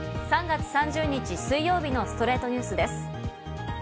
３月３０日、水曜日の『ストレイトニュース』です。